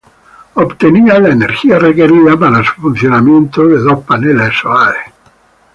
Obtenía la energía requerida para su funcionamiento de dos paneles solares.